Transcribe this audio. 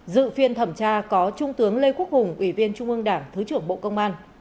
dự phiên thẩm tra có trung tướng lê quốc hùng ủy viên trung ương đảng thứ trưởng bộ công an